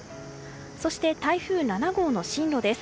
そして、台風７号の進路です。